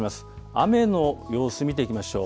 雨の様子見ていきましょう。